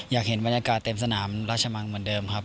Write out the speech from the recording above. อยากเห็นบรรยากาศเต็มสนามราชมังเหมือนเดิมครับ